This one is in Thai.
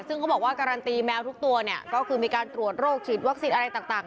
ซึ่งเขาก็บอกว่าการันตีแมวทุกตัวที่มีการตรวจโรคชีวิตวัสดิ์อะไรต่าง